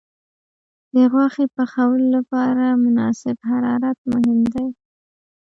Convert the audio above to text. د غوښې پخولو لپاره مناسب حرارت مهم دی.